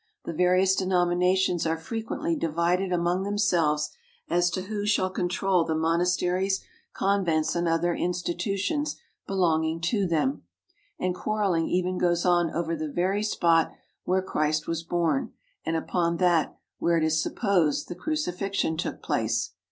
The various denominations are frequently divided among themselves as to who shall control the monasteries, convents, and other insti tutions belonging to them, and quarrelling even goes on over the very spot where Christ was born and upon that where it is supposed the Crucifixion took place.